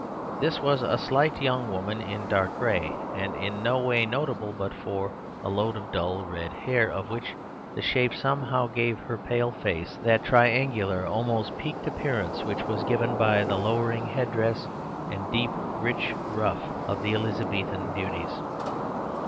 This was a slight young woman in dark gray, and in no way notable but for a load of dull red hair, of which the shape somehow gave her pale face that triangular, almost peaked, appearance which was given by the lowering headdress and deep rich ruff of the Elizabethan beauties.